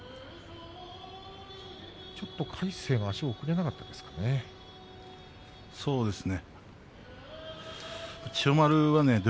ちょっと魁聖が足を送れなかったですかね。